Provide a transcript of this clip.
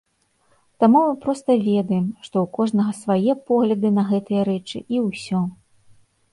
Таму мы проста ведаем, што ў кожнага свае погляды на гэтыя рэчы, і ўсё.